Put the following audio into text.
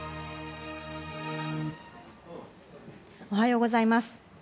おはようございます。